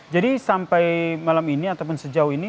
jadi sampai malam ini ataupun sejauh ini